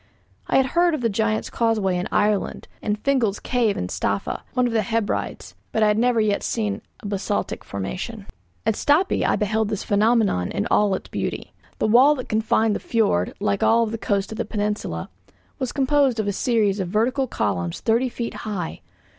I had heard of the Giant's Causeway in Ireland, and Fingal's Cave in Staffa, one of the Hebrides; but I had never yet seen a basaltic formation. At Stapi I beheld this phenomenon in all its beauty. The wall that confined the fiord, like all the coast of the peninsula, was composed of a series of vertical columns thirty feet high.